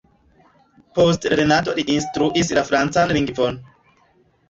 Post lernado li instruis la francan lingvon.